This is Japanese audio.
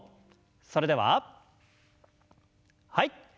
それでははい。